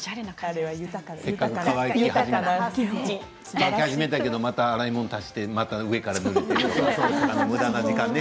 せっかく乾き始めだけどまた洗い物を足して上からぬれて、むだな時間ね。